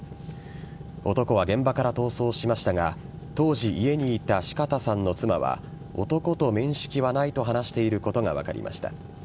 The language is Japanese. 男は現場から逃走しましたが当時家にいた四方さんの妻は男と面識はないと話していることが分かりました。